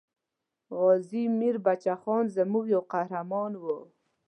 غازي میر بچه خان زموږ یو قهرمان وو.